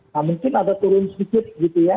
nah mungkin ada turun sedikit gitu ya